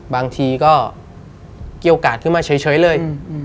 บางทีก็เกี่ยวกัดขึ้นมาเฉยเลย